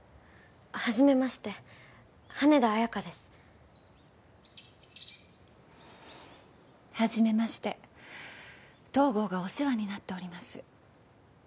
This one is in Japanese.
はじめまして羽田綾華ですはじめまして東郷がお世話になっております